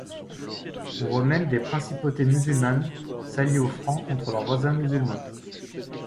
On voit même des principautés musulmanes s’allier aux Francs contre leurs voisins musulmans.